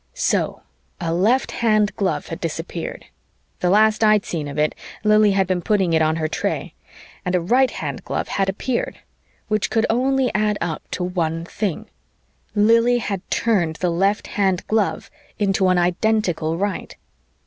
So a left hand glove had disappeared the last I'd seen of it, Lili had been putting it on her tray and a right hand glove had appeared. Which could only add up to one thing: Lili had turned the left hand glove into an identical right.